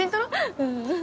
うん。